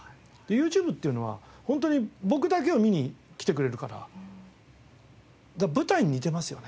ＹｏｕＴｕｂｅっていうのは本当に僕だけを見に来てくれるからだから舞台に似てますよね。